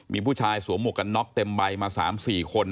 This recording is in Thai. มีผู้ชายสวมหมวกกันน็อกเต็มใบมา๓๔คน